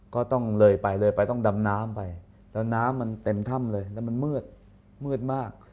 ก็ต้องเลยไปเลยไปต้องดำน้ำไปแล้วน้ำมันเต็มถ้ำเลยแล้วมันมืดมืดมาก